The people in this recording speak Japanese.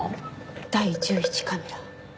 第１１カメラ。